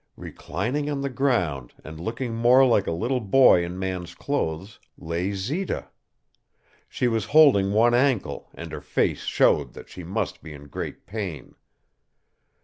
Reclining on the ground, and looking more like a little boy in man's clothes, lay Zita. She was holding one ankle and her face showed that she must be in great pain.